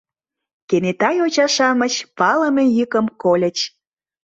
Кенета йоча-шамыч палыме йӱкым кольыч: